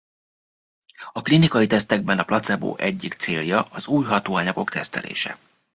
A klinikai tesztekben a placebo egyik célja az új hatóanyagok tesztelése.